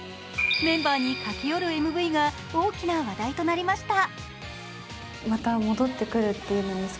メンバーに駆け寄るＭＶが大きな話題となりました。